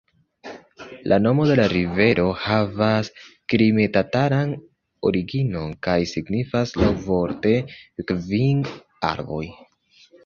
La nomo de la rivero havas krime-tataran originon kaj signifas laŭvorte «kvin arboj».